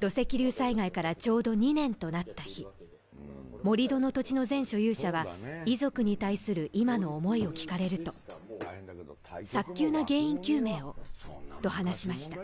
土石流災害からちょうど２年となった日盛り土の土地の前所有者は遺族に対する今の思いを聞かれると早急な原因究明をと話しました